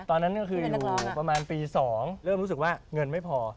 ตอนนั้นก็คืออยู่ประมาณปี๒เริ่มรู้สึกว่าเงินไม่พอ